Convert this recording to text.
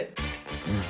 うん。